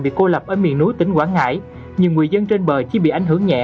bị cô lập ở miền núi tỉnh quảng ngãi nhiều người dân trên bờ chỉ bị ảnh hưởng nhẹ